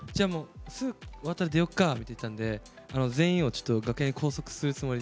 終わったら、すぐ出よっかって言ってたんで全員を楽屋に拘束するつもりで。